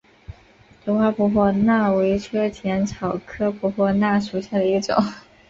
头花婆婆纳为车前草科婆婆纳属下的一个种。